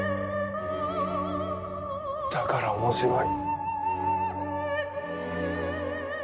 だから面白い。